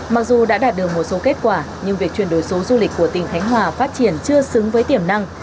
mặc dù đã đạt được một số kết quả nhưng việc chuyển đổi số du lịch của tỉnh khánh hòa phát triển chưa xứng với tiềm năng